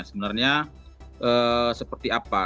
sebenarnya seperti apa